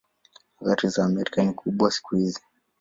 Athira ya Amerika ni kubwa siku hizi.